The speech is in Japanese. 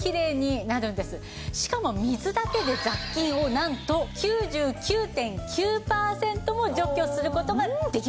しかも水だけで雑菌をなんと９９．９パーセントも除去する事ができます。